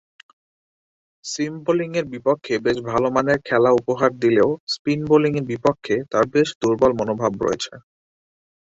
সিম বোলিংয়ের বিপক্ষে বেশ ভালোমানের খেলা উপহার দিলেও স্পিন বোলিংয়ের বিপক্ষে তার বেশ দূর্বল মনোভাব রয়েছে।